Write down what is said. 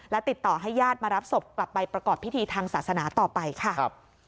และติดต่อให้ญาติมารับศพกลับไปประกอบพิธีทางศาสนาต่อไปค่ะ